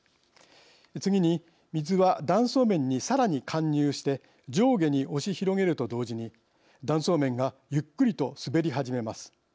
次に水は断層面にさらに貫入して上下に押し広げると同時に断層面がゆっくりと滑り始めます。